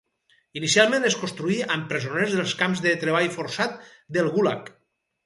Inicialment es construí amb presoners dels camps de treball forçat del Gulag.